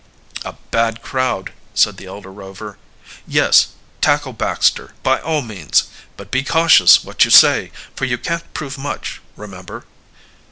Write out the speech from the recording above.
"A bad crowd," said the elder Rover. "Yes, tackle Baxter, by all means. But be cautious what you say, for you can't prove much, remember."